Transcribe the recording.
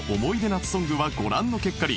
夏ソングはご覧の結果に